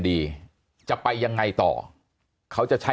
มีความรู้สึกว่า